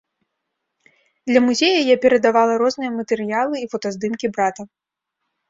Для музея я перадавала розныя матэрыялы і фотаздымкі брата.